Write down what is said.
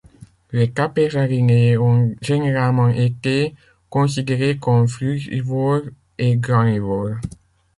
Les tapéjarinés ont généralement été considérés comme frugivores et granivores.